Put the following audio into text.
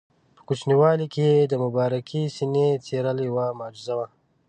په کوچنیوالي کې یې د مبارکې سینې څیرل یوه معجزه وه.